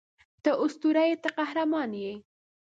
ته اسطوره یې ته قهرمان یې